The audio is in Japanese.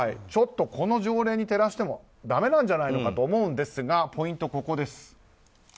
ちょっとこの条例に照らしてもだめなんじゃないのかと思うんですがポイント、ここです。